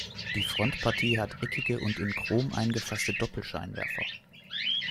Die Frontpartie hatte eckige und in Chrom eingefasste Doppelscheinwerfer.